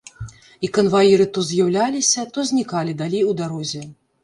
І канваіры то з'яўляліся, то знікалі далей у дарозе.